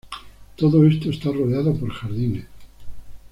Todo esto está rodeado por jardines.